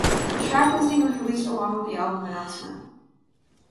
The track listing was released along with the album announcement.